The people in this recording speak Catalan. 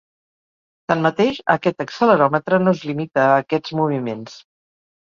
Tanmateix, aquest acceleròmetre no es limita a aquests moviments.